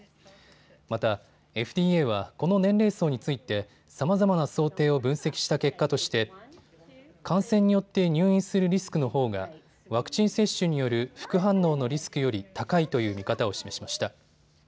また、ＦＤＡはこの年齢層について、さまざまな想定を分析した結果として感染によって入院するリスクのほうがワクチン接種による副反応のリスクより高いという見方を示しました。